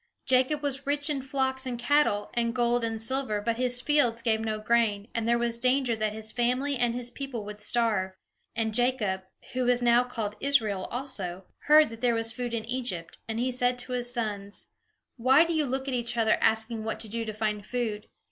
Jacob was rich in flocks and cattle, and gold and silver, but his fields gave no grain, and there was danger that his family and his people would starve. And Jacob who was now called Israel also heard that there was food in Egypt and he said to his sons: "Why do you look at each other, asking what to do to find food?